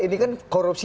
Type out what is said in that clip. ini kan korupsi